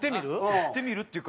打ってみるっていうか。